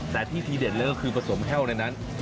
แต่ที่ทีเด็ดเลยก็คือผสมแห้วในนั้น